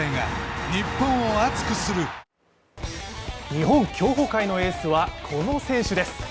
日本競歩界のエースはこの選手です。